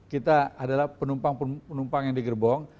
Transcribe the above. kita adalah penumpang penumpang yang digerbong